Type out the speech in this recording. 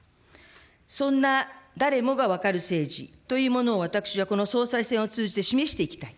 そんな誰もが分かる政治というものを、私はこの総裁選を通じて示していきたい。